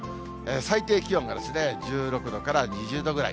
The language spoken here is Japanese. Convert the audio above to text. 最低気温が１６度から２０度ぐらい。